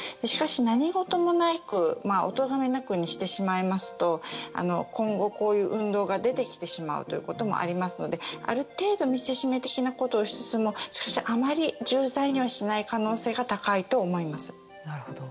しかし何事もなくおとがめなしにしてしまいますと今後こういう運動が出てきてしまうこともありますのである程度見せしめ的なことをしつつもあまり重罪にはしない可能性が高いと思います。